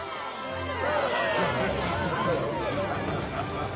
ハハハハ！